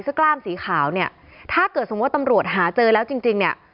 กล้ามสีขาวเนี่ยถ้าเกิดสมมุติตำรวจหาเจอแล้วจริงจริงเนี่ย